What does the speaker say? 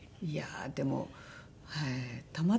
いやーでもはい。